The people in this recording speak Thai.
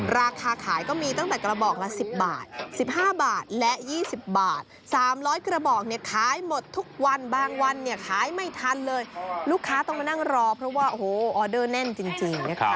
ราคาขายก็มีตั้งแต่กระบอกละ๑๐บาท๑๕บาทและ๒๐บาท๓๐๐กระบอกเนี่ยขายหมดทุกวันบางวันเนี่ยขายไม่ทันเลยลูกค้าต้องมานั่งรอเพราะว่าโอ้โหออเดอร์แน่นจริงนะคะ